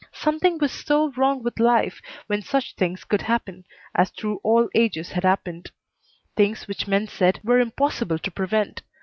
Something was so wrong with life when such things could happen, as through all ages had happened; things which men said were impossible to prevent.